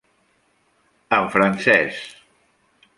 En francès.